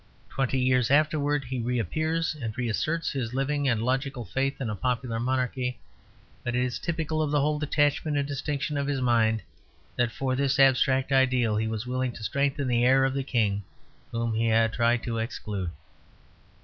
Twenty years afterwards he reappears and reasserts his living and logical faith in a popular monarchy. But it is typical of the whole detachment and distinction of his mind that for this abstract ideal he was willing to strengthen the heir of the king whom he had tried to exclude.